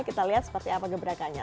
kita lihat seperti apa gebrakannya